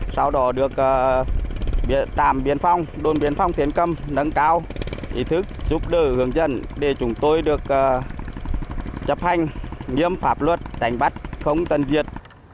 sau đó được đôn biên phòng tiến cầm nâng cao ý thức giúp đỡ hướng dân để chúng tôi được chấp hành nghiêm pháp luật đánh bắt không tân diệt